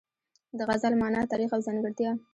د غزل مانا، تاریخ او ځانګړتیا